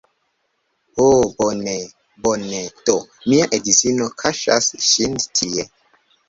Oh bone, bone, do mia edzino kaŝas ŝin tie